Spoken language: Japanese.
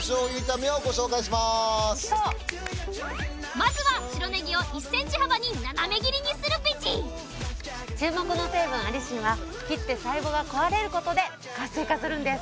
まずは白ネギを１センチ幅に斜め切りにするベジ注目の成分アリシンは切って細胞が壊れることで活性化するんです。